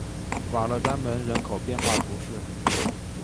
瓦勒丹门人口变化图示